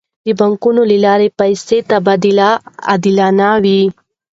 د بانک له لارې د پیسو تبادله عادلانه وي.